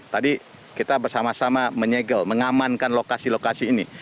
tadi kita bersama sama menyegel mengamankan lokasi lokasi ini